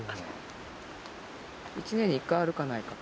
１年に１回あるかないか。